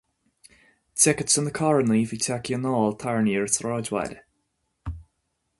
D'fheiceadh sé na carranna a bhí tagtha anall tarraingthe ar an sráidbhaile.